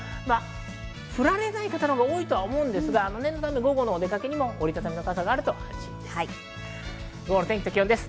降られない方も多いと思いますが、念のため、午後のお出かけにも折り畳みの傘があると安心です。